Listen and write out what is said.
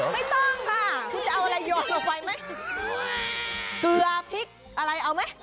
ไม่ต้องค่ะคุณจะเอาอะไรโยนลงไปไหมเกลือพริกอะไรเอาไหม